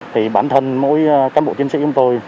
thì bản thân mỗi cán bộ chiến sĩ chúng tôi